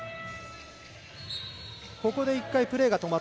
ここで１回プレーが止まる。